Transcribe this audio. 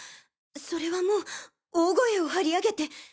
それはもう大声を張り上げて。